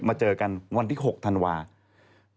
เจอกันวันที่๖ธันวาคม